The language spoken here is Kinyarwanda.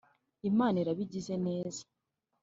imana iraba igize neza